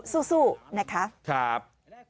สู้นะครับครับ